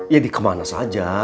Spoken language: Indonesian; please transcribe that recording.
ya dikemana saja